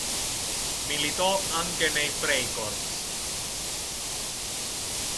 Militò anche nei "Freikorps".